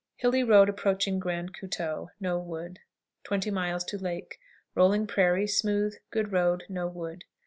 Hilly road approaching Grand Coteau. No wood. 20. Lake. Rolling prairie; smooth, good road; no wood.